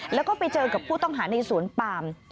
แล้วก็ไปเจอกับผู้ต้องหาในสวนปาม